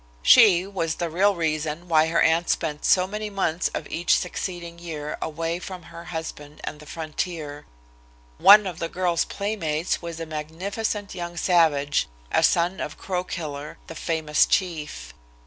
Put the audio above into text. "She" was the real reason why her aunt spent so many months of each succeeding year away from her husband and the frontier. One of the girl's playmates was a magnificent young savage, a son of Crow Killer, the famous chief.